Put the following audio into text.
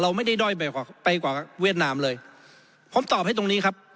ไม่ได้ด้อยไปกว่าไปกว่าเวียดนามเลยผมตอบให้ตรงนี้ครับ